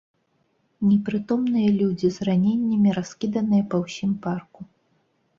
Непрытомныя людзі з раненнямі раскіданыя па ўсім парку.